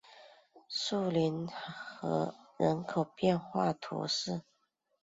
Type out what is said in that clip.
树林河人口变化图示